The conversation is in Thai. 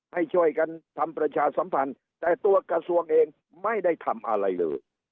ให้ช่วยกันทำประชาสัมพันธ์แต่ตัวกระทรวงเองไม่ได้ทำอะไรเลย